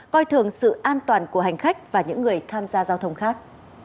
coi thường sự an toàn của hành khách và những người tham gia giao thông khác